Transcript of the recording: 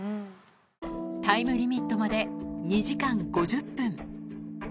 タイムリミットまで２時間５０分。